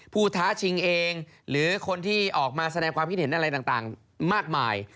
ท้าชิงเองหรือคนที่ออกมาแสดงความคิดเห็นอะไรต่างมากมาย